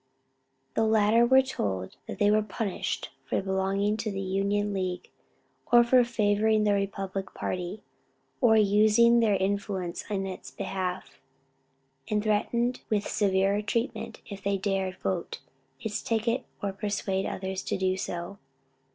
The latter were told that they were punished for belonging to the Union League or for favoring the Republican party or using their influence in its behalf, and threatened with severer treatment if they dared vote its ticket or persuade others to do so.